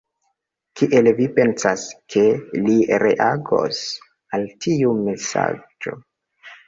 Kiel vi pensas, ke li reagos al tiu mesaĝo?